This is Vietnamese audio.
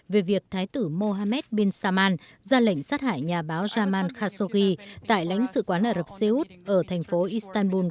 về việc thái tử mohamed guterres đã bắt đầu phá hủy một mươi trạm gác tại khu phi quân sự